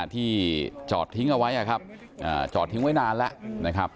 ที่จอดทิ้งเอาไว้นะครับจอดทิ้งไว้นานแล้วนะครับ